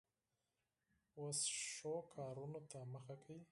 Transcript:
اوس ښو کارونو ته مخه کوي.